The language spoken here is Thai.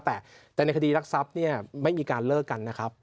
แต่ในคดีรักทรัพย์เนี่ยไม่มีการเลิกกันนะครับ